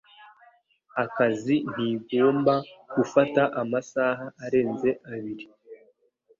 Akazi ntigomba gufata amasaha arenze abiri